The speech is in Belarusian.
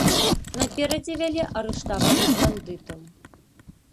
Наперадзе вялі арыштаваных бандытаў.